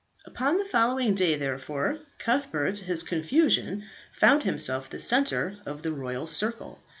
Upon the following day, therefore, Cuthbert to his confusion found himself the centre of the royal circle.